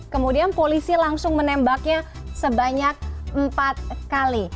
kemudian polisi langsung menembaknya sebanyak empat kali